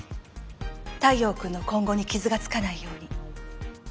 太陽君の今後に傷がつかないように。